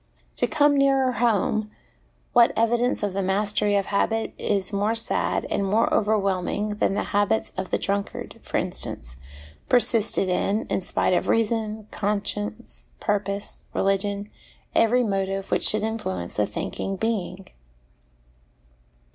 To come nearer home, what evidence of the mastery of habit is more sad and more overwhelming than the habits of the drunkard, for instance, persisted in, in spite of reason, conscience, purpose, religion, every motive which should influence a thinking being?